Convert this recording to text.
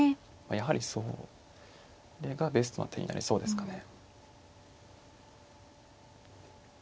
やはりそれがベストな手になりそうですかね。